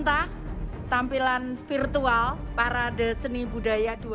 saya tampilan virtual para deseni budaya